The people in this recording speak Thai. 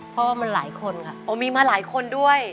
เพราะมีมาหลายคน